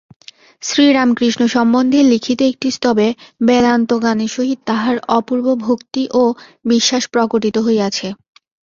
শ্রীরামকৃষ্ণ সম্বন্ধে লিখিত একটি স্তবে বেদান্তজ্ঞানের সহিত তাঁহার অপূর্ব ভক্তি ও বিশ্বাস প্রকটিত হইয়াছে।